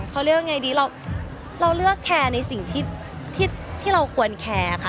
เขาเรียกว่าไงดีเราเลือกแคร์ในสิ่งที่เราควรแคร์ค่ะ